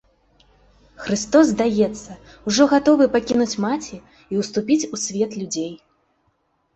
Хрыстос, здаецца, ужо гатовы пакінуць маці і ўступіць у свет людзей.